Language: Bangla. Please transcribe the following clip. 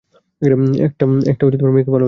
একটা মেয়েকে ভালোবাসতো।